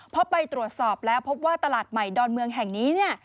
พอไปตรวจสอบแล้วพบว่าตลาดใหม่ดอนเมืองแห่งนี้เนี่ย